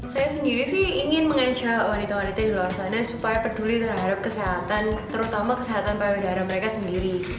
saya sendiri sih ingin menganca wanita wanita di luar sana supaya peduli terhadap kesehatan terutama kesehatan payudara mereka sendiri